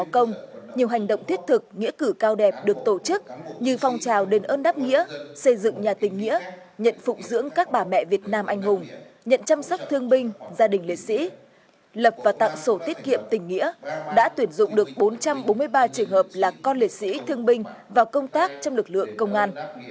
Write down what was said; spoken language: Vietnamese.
trong những năm qua đảng ủy công an trung ương nhiều hành động thiết thực nghĩa cử cao đẹp được tổ chức như phòng trào đền ơn đáp nghĩa xây dựng nhà tình nghĩa nhận phụng dưỡng các bà mẹ việt nam anh hùng nhận chăm sóc thương binh gia đình liệt sĩ lập và tặng sổ tiết kiệm tình nghĩa đã tuyển dụng được bốn trăm bốn mươi ba trường hợp là con liệt sĩ thương binh vào công tác trong lực lượng công an